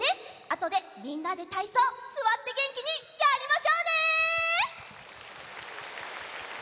あとでみんなでたいそうすわってげんきにやりましょうね！